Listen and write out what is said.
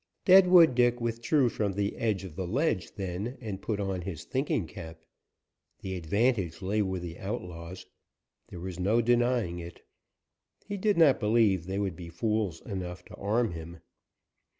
Deadwood Dick withdrew from the edge of the ledge then, and put on his thinking cap. The advantage lay with the outlaws, there was no denying it. He did not believe they would be fools enough to arm him.